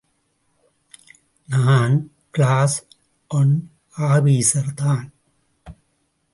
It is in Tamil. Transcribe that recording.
நான் கிளாஸ் ஒன் ஆபீசர்தான்.